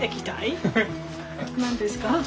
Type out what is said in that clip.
何ですか？